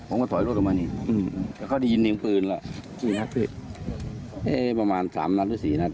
ผมก็ถอยรถออกมานี่อืมแล้วก็ได้ยินเสียงปืนแล้วสี่นัดพี่เอ๊ะประมาณสามนัดหรือสี่นัด